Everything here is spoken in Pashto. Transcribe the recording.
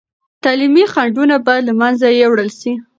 تعلیمي خنډونه باید له منځه یوړل سي.